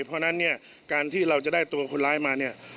เพราะฉะนั้นการที่เราจะได้ตัวคนร้ายมา